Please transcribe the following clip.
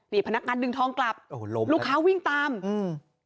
นี่พนักงานดึงทองกลับโอ้โหล้มลูกค้าวิ่งตามอืม